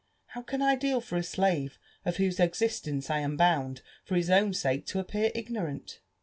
How can I deal for a slave of Whose existence I am bound, for his own sake, to appear ignorant?"